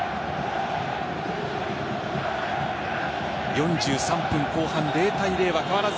４３分後半０対０は変わらず。